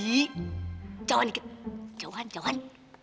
jauhan dikit jauhan jauhan